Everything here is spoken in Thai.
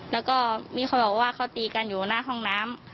แล้วก็มีคนบอกว่าเขาตีกันอยู่หน้าห้องน้ำ